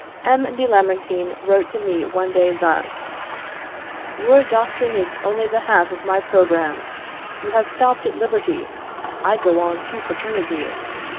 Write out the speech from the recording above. M. de Lamartine wrote to me one day thus: "Your doctrine is only the half of my programme; you have stopped at liberty, I go on to fraternity."